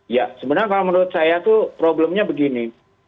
ya sebenarnya kalau menurut saya itu problemnya begini